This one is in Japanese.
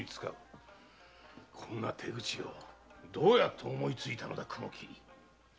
こんな手口をどうやって思いついたのだ雲切？